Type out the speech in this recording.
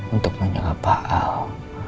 untuk menjaga pak al